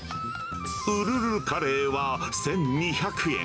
ウルルカレーは１２００円。